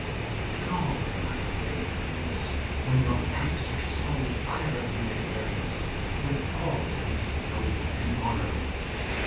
How can I obey her in this when your acts are so utterly at variance with all that is noble and honourable?